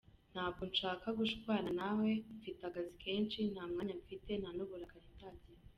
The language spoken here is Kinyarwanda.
Ntabwo nshaka gushwana nawe, mfite akazi kenshi nta mwanya mfite, nta n’uburakari ndagira.